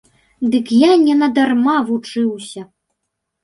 Дык я не на дарма вучуся.